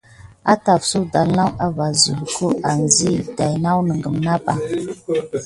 Ətafsu ɗanla à va silko gam asiyik daki naku neku na pay.